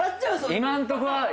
今んとこはそう。